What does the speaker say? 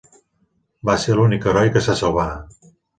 Va ser l'únic heroi que se salvà.